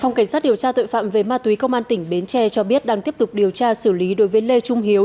phòng cảnh sát điều tra tội phạm về ma túy công an tỉnh bến tre cho biết đang tiếp tục điều tra xử lý đối với lê trung hiếu